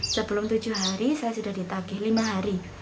sebelum tujuh hari saya sudah ditagih lima hari